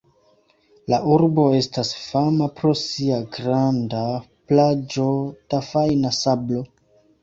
La urbo estas fama pro sia granda plaĝo da fajna sablo.